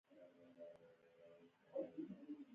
په مجبوریت کې یار موندل ستونزمن کار دی.